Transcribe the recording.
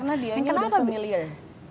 karena dia udah familiar dengan situasi itu